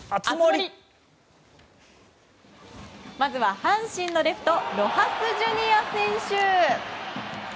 まずは阪神のレフトロハス・ジュニア選手。